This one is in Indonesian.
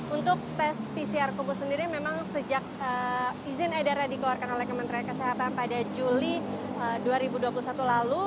untuk tes pcr kuku sendiri memang sejak izin edaran dikeluarkan oleh kementerian kesehatan pada juli dua ribu dua puluh satu lalu